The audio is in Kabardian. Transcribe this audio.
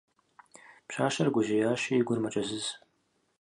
Пщащэр гужьеящи, и гур мэкӀэзыз.